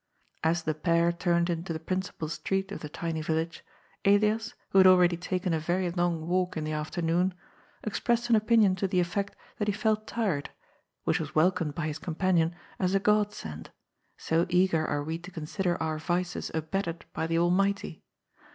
As the pair turned into the principal street of the tiny village, Elias, who had already taken a very long walk in the afternoon, expressed an opinion to the effect that he felt tired, which was welcomed by his companion as a God send, so eager are we to consider our vices abetted by the Almighty.